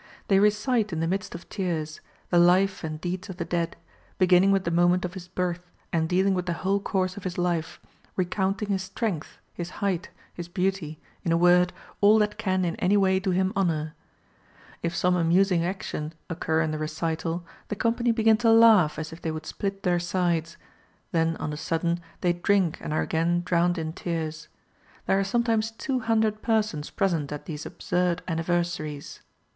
They recite in the midst of tears, the life and deeds of the dead, beginning with the moment of his birth, and dealing with the whole course of his life, recounting his strength, his height, his beauty, in a word, all that can in any way do him honour. If some amusing action occur in the recital, the company begin to laugh as if they would split their sides; then on a sudden they drink and are again drowned in tears. There are sometimes two hundred persons present at these absurd anniversaries."